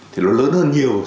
thì nó lớn hơn nhiều